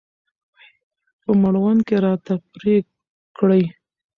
په مړوند کې راته پرې کړي.